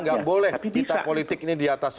nggak boleh kita politik ini di atas